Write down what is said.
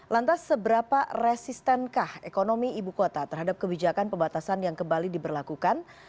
lantas seberapa resistenkah ekonomi ibu kota terhadap kebijakan pembatasan yang kembali diberlakukan